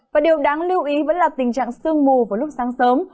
và điều đáng lưu ý vẫn là tình trạng sương mù vào lúc sáng sớm